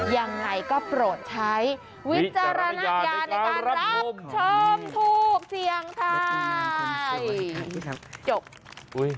ยังไงก็โปรดใช้วิจารณญาณในการรับชมทูปเสียงไทยจบ